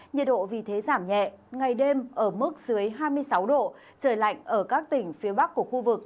nhiệt độ vì thế giảm nhẹ ngày đêm ở mức dưới hai mươi sáu độ trời lạnh ở các tỉnh phía bắc của khu vực